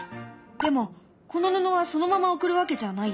でもこの布はそのまま贈るわけじゃないよね？